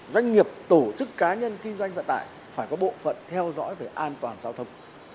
doanh nghiệp tổ chức cá nhân kinh doanh vận tải phải có bộ phận theo dõi về an toàn giao thông